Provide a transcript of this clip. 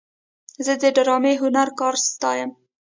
زه د ډرامې هنري کار ستایم.